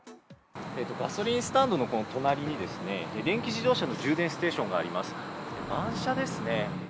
ガソリンスタンドのこの隣に、電気自動車の充電ステーションがあります。